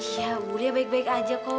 iya bu lia baik baik aja kok